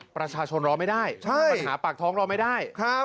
ประชาชนรอไม่ได้ปัญหาปากท้องรอไม่ได้